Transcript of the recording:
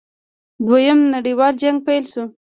دویم نړیوال جنګ پیل شو.